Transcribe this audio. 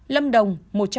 lâm đồng một trăm ba mươi hai